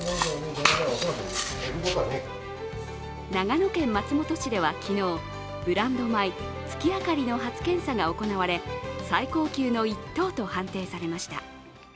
長野県松本市では昨日、ブランド米つきあかりの初検査が行われ、最高級の１等と判定されました。